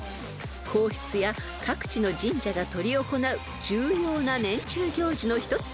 ［皇室や各地の神社が執り行う重要な年中行事の一つとなっています］